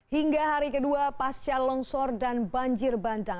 hingga hari kedua pasca longsor dan banjir bandang